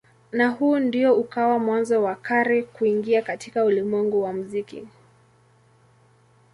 Na huu ndio ukawa mwanzo wa Carey kuingia katika ulimwengu wa muziki.